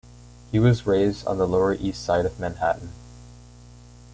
He was raised on the Lower East Side of Manhattan.